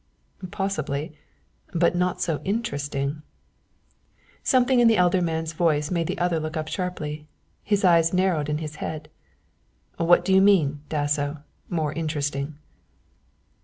"Possibly but not so interesting." Something in the elder man's voice made the other look up sharply. His eyes narrowed in his head. "What do you mean, Dasso more interesting?"